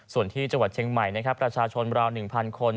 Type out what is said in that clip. ส่วนที่จังหวัดเชียงใหม่นะครับประชาชนราว๑๐๐คน